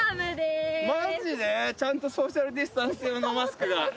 ちゃんとソーシャルディスタンス用のマスクが。